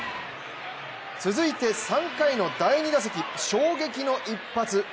続いて、３回の第２打席衝撃の一発。